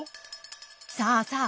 さあさあ